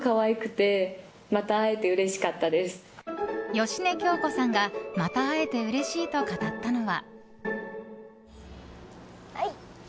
芳根京子さんがまた会えてうれしいと語ったのは。